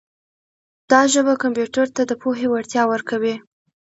دا ژبه کمپیوټر ته د پوهې وړتیا ورکوي.